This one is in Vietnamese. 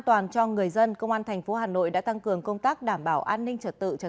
toàn cho người dân công an thành phố hà nội đã tăng cường công tác đảm bảo an ninh trật tự trật